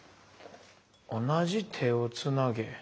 「同じ手をつなげ」？